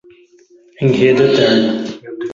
Enredo eterno